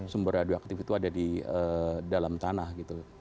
sumber radioaktif itu ada di dalam tanah gitu